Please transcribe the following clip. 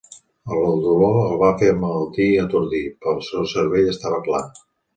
El dolor el va fer emmalaltir i atordir, però el seu cervell estava clar.